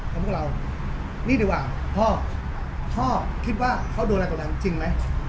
ก็พวกเรานี่แหละว่าพ่อพ่อคิดว่าเขาโดนอะไรต่อจังจริงไหม